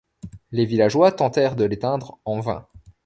Les villageois tentèrent de l’éteindre en vain.